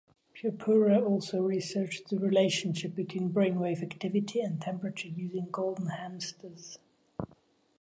Purpura also researched the relationship between brain wave activity and temperature using golden hamsters.